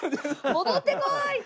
戻ってこい！って。